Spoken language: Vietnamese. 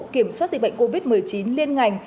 kiểm soát dịch bệnh covid một mươi chín liên ngành